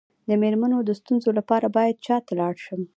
د میرمنو د ستونزو لپاره باید چا ته لاړ شم؟